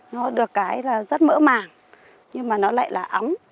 nó được cái là rất mỡ màng nhưng mà nó lại là óng